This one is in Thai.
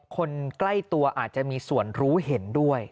คนใกล้ตัวอาจจะมีส่วนรู้เห็นด้วย